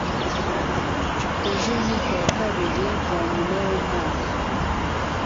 ejo niku wa kabiri wanyuma w'umwaka